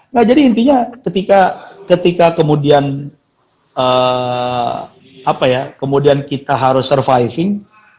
nah jadi intinya ketika kemudian apa ya kemudian kita harus surviving